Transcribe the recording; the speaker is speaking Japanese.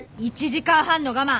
１時間半の我慢。